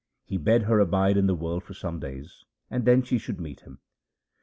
He bade her abide in the world for some days, and then she should meet him.